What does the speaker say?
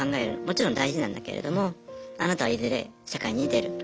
もちろん大事なんだけれどもあなたはいずれ社会に出ると。